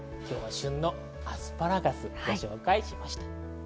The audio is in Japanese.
旬のアスパラガスをご紹介しました。